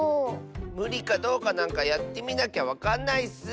むりかどうかなんかやってみなきゃわかんないッス！